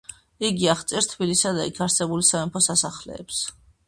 იგი აღწერს თბილისს და იქ არსებულ სამეფო სასახლეებს.